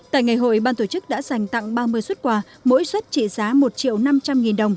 tại ngày hội ban tổ chức đã dành tặng ba mươi xuất quà mỗi xuất trị giá một triệu năm trăm linh nghìn đồng